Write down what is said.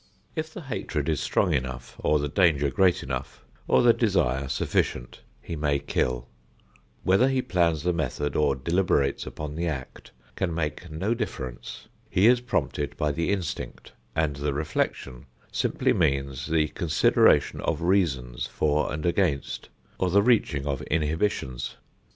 If the hatred is strong enough or the danger great enough or the desire sufficient, he may kill. Whether he plans the method or deliberates upon the act can make no difference. He is prompted by the instinct, and the reflection simply means the consideration of reasons for and against, or the reaching of inhibitions.